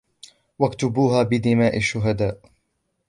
و اكتبوها بدماء الشهدا